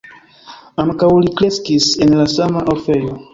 Ankaŭ li kreskis en la sama orfejo.